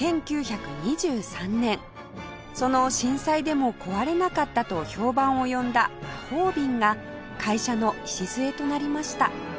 その震災でも壊れなかったと評判を呼んだ魔法瓶が会社の礎となりました